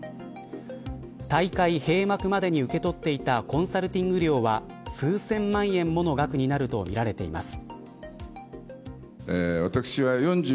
大会閉幕までに受け取っていたコンサルティング料は数千万円もの額になるとみられています。